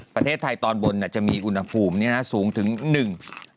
ประเทศไทยตอนบนเนี่ยจะมีอุณหภูมิเนี่ยนะสูงถึง๑